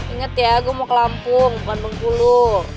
ingat ya gue mau ke lampung bukan bengkulu